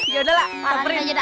yaudah lah pamit